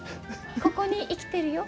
ここに生きてるよ